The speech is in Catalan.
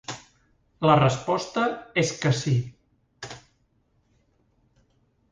La resposta és que sí.